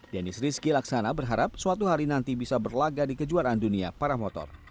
dennis rizky laksana berharap suatu hari nanti bisa berlaga di kejuaraan dunia para motor